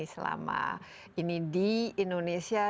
selama ini di indonesia